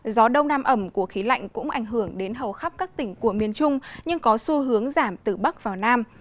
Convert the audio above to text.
gió đông nam ẩm của khí lạnh cũng ảnh hưởng đến hầu khắp các tỉnh của miền trung nhưng có xu hướng giảm từ bắc vào nam